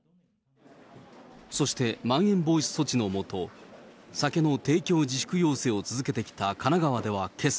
そしてまん延防止措置の下、酒の提供自粛要請を続けてきた神奈川ではけさ。